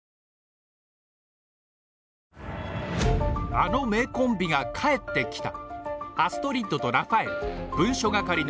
あの名コンビが帰ってきた！